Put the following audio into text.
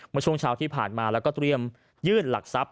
เมื่อช่วงเช้าที่ผ่านมาแล้วก็เตรียมยื่นหลักทรัพย